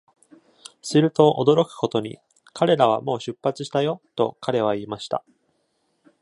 すると驚くことに、「彼らはもう出発したよ」と彼は言いました。